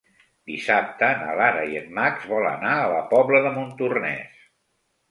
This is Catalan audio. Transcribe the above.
Dissabte na Lara i en Max volen anar a la Pobla de Montornès.